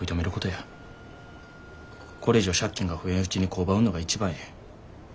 これ以上借金が増えんうちに工場売んのが一番ええ。